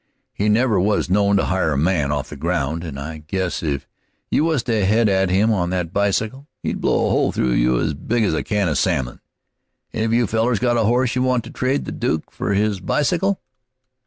He never was known to hire a man off the ground, and I guess if you was to head at him on that bicycle, he'd blow a hole through you as big as a can of salmon. Any of you fellers got a horse you want to trade the Duke for his bicycle?"